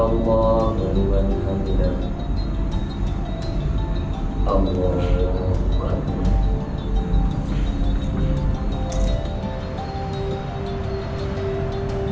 jangan lupa jangan lupa